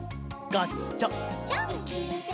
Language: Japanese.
ガチャン。